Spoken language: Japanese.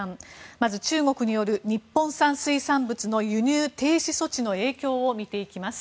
まず中国による日本産水産物の輸入停止措置の影響を見ていきます。